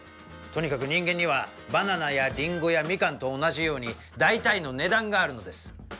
とにかく人間にはバナナやリンゴやミカンと同じように大体の値段があるのです。